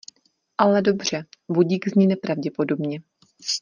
Ale dobře, budík zní nepravděpodobně.